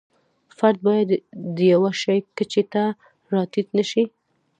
فرد باید د یوه شي کچې ته را ټیټ نشي.